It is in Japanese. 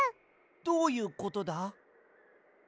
どういうことだ？